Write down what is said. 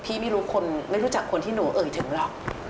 พี่ไม่รู้จักคนที่หนูเอ่ยถึงหรอก